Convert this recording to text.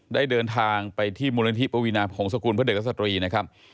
ได้เดินทางไปที่มูลนิธิปวีนาพงศกุลเพื่อเด็กและสตรีนะครับ